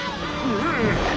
うん？